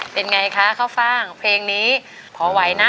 เป็นไงคะข้าวฟ่างเพลงนี้พอไหวนะ